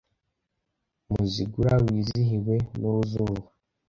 Muzigura wizihiwe n'uruzuba